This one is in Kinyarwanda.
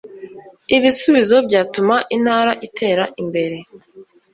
ibisubizo byatuma intara itera imbere